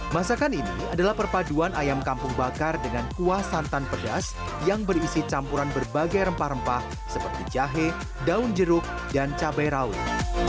masakan ini adalah perpaduan ayam kampung bakar dengan kuah santan pedas yang berisi campuran berbagai rempah rempah seperti jahe daun jeruk dan cabai rawit